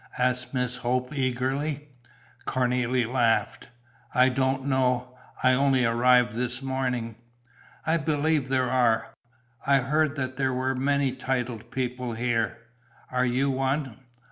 asked Miss Hope, eagerly. Cornélie laughed: "I don't know. I only arrived this morning." "I believe there are. I heard that there were many titled people here. Are you one?"